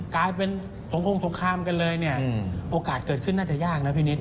กลายเป็นสงคงสงครามกันเลยเนี่ยโอกาสเกิดขึ้นน่าจะยากนะพี่นิด